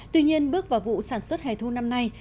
tuy nhiên bước vào vụ sản xuất hè thu năm nay